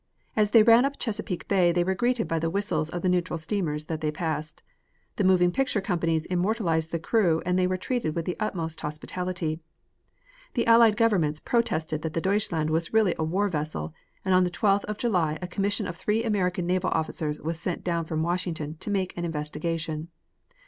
As they ran up Chesapeake Bay they were greeted by the whistles of the neutral steamers that they passed. The moving picture companies immortalized the crew and they were treated with the utmost hospitality. The Allied governments protested that the Deutschland was really a war vessel and on the 12th of July a commission of three American naval officers was sent down from Washington to make an investigation.